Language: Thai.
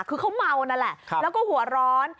คือเขาเมานั่นแหละแล้วก็หัวร้อน